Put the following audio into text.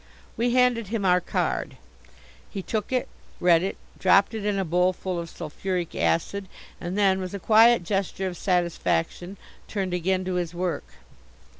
We handed him our card. He took it, read it, dropped it in a bowlful of sulphuric acid and then, with a quiet gesture of satisfaction, turned again to his work.